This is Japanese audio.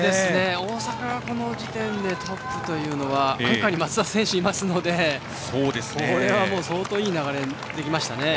大阪がこの時点でトップというのは松田選手がアンカーにいますのでこれは相当いい流れになりましたね。